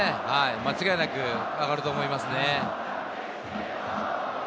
間違いなく上がると思いますね。